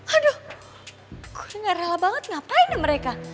aduh gue gak rela banget ngapain deh mereka